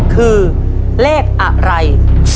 คือเลขอะไร